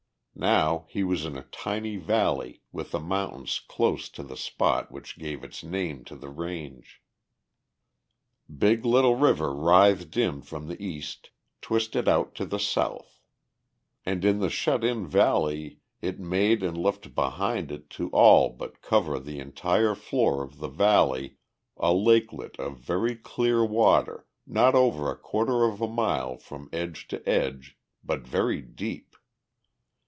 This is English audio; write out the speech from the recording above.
Now he was in a tiny valley with the mountains close to the spot which gave its name to the range. Big Little River writhed in from the east, twisted out to the south. And in the shut in valley it made and left behind it to all but cover the entire floor of the valley a lakelet of very clear water not over a quarter of a mile from edge to edge, but very deep.